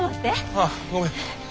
ああごめん。